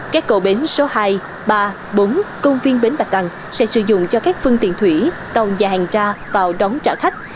các cầu bến số hai ba bốn công viên bến bạch đăng sẽ sử dụng cho các phương tiền thủy tàu nhà hàng ra vào đón trả khách